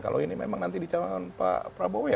kalau ini nanti memang dicalon pak prabowo